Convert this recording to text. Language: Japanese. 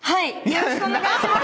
よろしくお願いします！